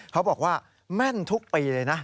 เขาบอกว่าแม่นทุกปีเลยนะ